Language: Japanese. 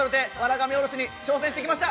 神降ろしに挑戦してきました。